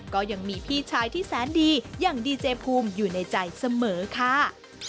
ก็ยังมีพี่ชายที่แสนดีอย่างดีเจภูมิอยู่ในใจเสมอค่ะ